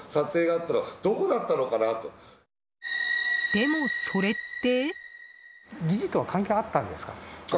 でも、それって？